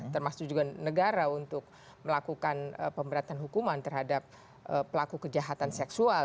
termasuk juga negara untuk melakukan pemberatan hukuman terhadap pelaku kejahatan seksual